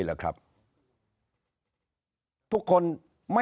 ทุกคนไม่สนใจว่า